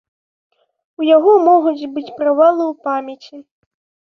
У яго могуць быць правалы ў памяці.